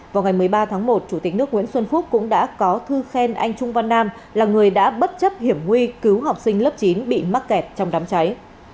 vào ngày một mươi ba tháng một chủ tịch nước nguyễn xuân phúc cũng đã có thư khen anh trung văn nam là người đã bất chấp hiểm nguy cứu học sinh lớp chín bị mắc kẹt trong đám cháy